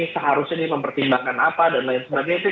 seharusnya dia mempertimbangkan apa dan lain sebagainya